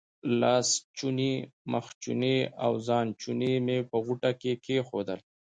لاسوچونې، مخوچونې او ځانوچونی مې په غوټه کې کېښودل.